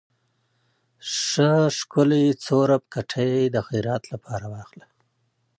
ښه ښکلے څورب کټے د خيرات لپاره واخله۔